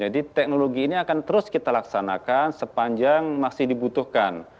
jadi teknologi ini akan terus kita laksanakan sepanjang masih dibutuhkan